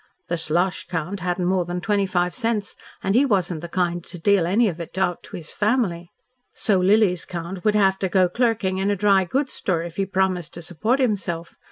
The Slosh count hadn't more than twenty five cents and he wasn't the kind to deal any of it out to his family. So Lily's count would have to go clerking in a dry goods store, if he promised to support himself.